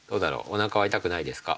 おなかは痛くないですか？